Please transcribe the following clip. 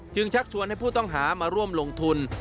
ชักชวนให้ผู้ต้องหามาร่วมลงทุน